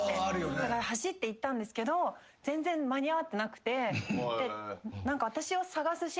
だから走っていったんですけど全然間に合ってなくて。